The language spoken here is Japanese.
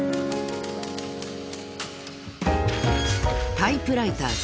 ［『タイプライターズ』